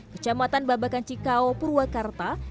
kecamatan babakan cikau purwakarta